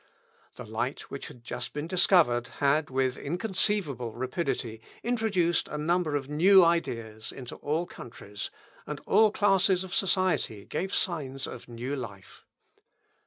The light which had just been discovered had, with inconceivable rapidity, introduced a number of new ideas into all countries, and all classes of society gave signs of new life.